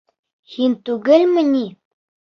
Һин түгелме ни?